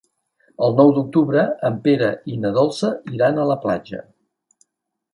El nou d'octubre en Pere i na Dolça iran a la platja.